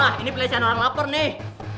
wah ini pelecehan orang lapar nih